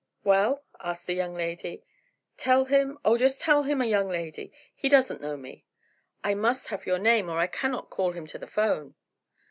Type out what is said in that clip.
"Well?" asked the young lady. "Tell him—oh, just tell him, a young lady; he doesn't know me." "I must have your name, or I cannot call him to the 'phone."